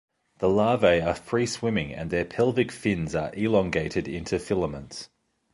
The larvae are free-swimming and their pelvic fins are elongated into filaments.